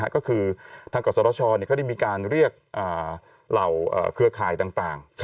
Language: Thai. ก็คือทางกศชก็ได้มีการเรียกเหล่าเครือข่ายต่าง